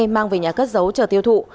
mang về nhà cất giấu chờ tiêu thụ